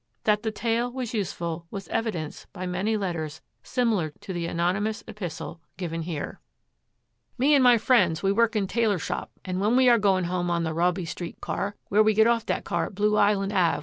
That the tale was useful was evidenced by many letters similar to the anonymous epistle here given. 'me and my friends we work in talor shop and when we are going home on the roby street car where we get off that car at blue island ave.